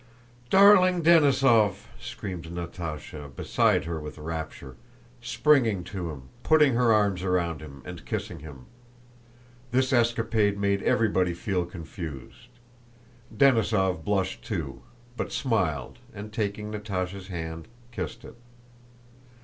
"Darling Denísov!" screamed Natásha, beside herself with rapture, springing to him, putting her arms round him, and kissing him. This escapade made everybody feel confused. Denísov blushed too, but smiled and, taking Natásha's hand, kissed it.